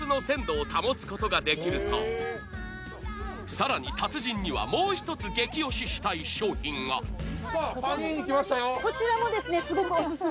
さらに達人にはもう１つ激推ししたい商品があっパニーニ来ましたよ。